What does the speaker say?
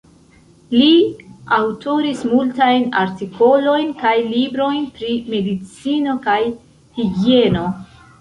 Li aŭtoris multajn artikolojn kaj librojn pri medicino kaj higieno.